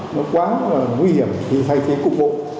nó quá nguy hiểm thì thay thế cục bộ